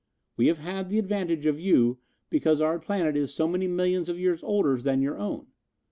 We have had the advantage of you because our planet is so many millions of years older than your own."